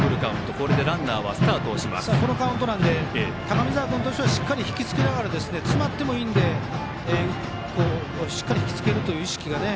このカウントなので高見澤君としてはしっかり引きつけながら詰まってもいいのでしっかりひきつけるという意識が。